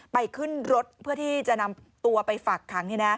ขึ้นรถเพื่อที่จะนำตัวไปฝากขัง